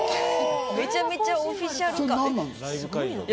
めちゃめちゃオフィシャル感。